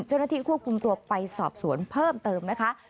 เจ้าหน้าที่ควบคุมตัวไปสอบสวนเพิ่มเติมนะคะ